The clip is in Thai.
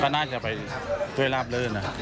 ก็น่าจะไปด้วยราบเลิศ